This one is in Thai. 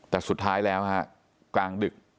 แต่สุดท้ายแล้วฮะกลางดึก